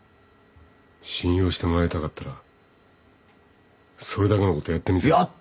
信用してもらいたかったらそれだけのことやってみせろ。